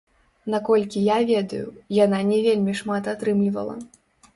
Наколькі я ведаю, яна не вельмі шмат атрымлівала.